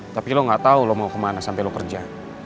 tapi lo gak tahu lo mau kemana sampai lo kerja